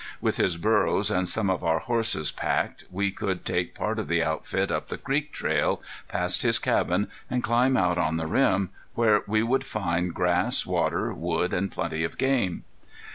With his burros and some of our horses packed we could take part of the outfit up the creek trail, past his cabin, and climb out on the rim, where we would find grass, water, wood, and plenty of game.